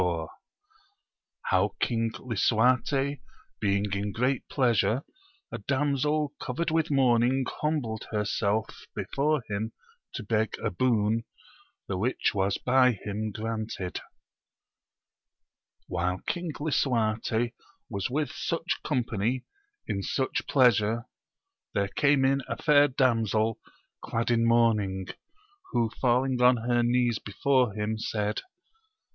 — How King Lisuarte being in great pleasure a damsel covered with mourning humbled herself before him to beg a boon, the which was by him granted. HILE King Lisuarte was with such company in such pleasure, there came in a fair damsel clad in mourning, who falling on her knees before him, said.